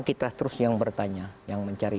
kita terus yang bertanya yang mencari